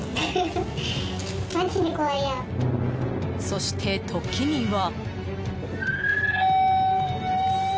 そして時には。